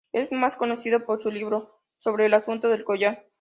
Es más conocido por su libro sobre el Asunto del collar.